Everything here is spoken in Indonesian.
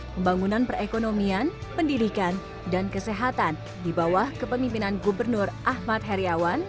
pembangunan perekonomian pendidikan dan kesehatan di bawah kepemimpinan gubernur ahmad heriawan